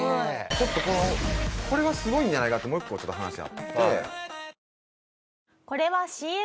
ちょっとこのこれはすごいんじゃないかってもう一個ちょっと話あって。